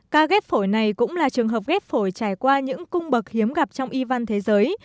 ca ghép phổi này cũng là trường hợp ghép phổi trải qua những cung bậc hiếm gặp trong y văn thế giới